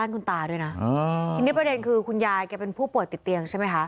เห็นประเด็นคือคุณยายเป็นผู้ป่วยติดเตียงใช่ไหมคะ